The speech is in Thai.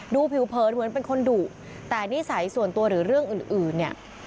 ดูผิวเผินเหมือนเป็นคนดุแต่นิสัยส่วนตัวหรือเรื่องอื่นเนี่ย